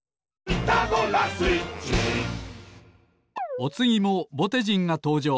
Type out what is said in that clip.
おつぎもぼてじんがとうじょう。